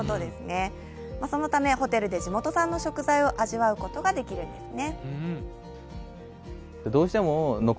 そのためホテルで地元産の食材を味わうことができるんですね。